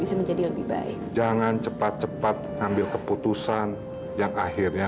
sampai jumpa di video selanjutnya